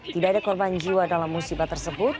tidak ada korban jiwa dalam musibah tersebut